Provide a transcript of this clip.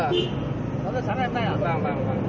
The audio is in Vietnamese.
nó ra sáng ngày mai là toàn bằng